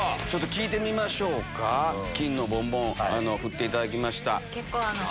聞いてみましょうか金のボンボン振っていただきました。